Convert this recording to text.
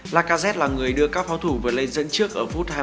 lacazette là người đưa các pháo thủ vượt lên dẫn trước ở phút hai mươi chín